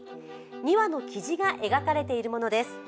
２羽のきじが描かれているものです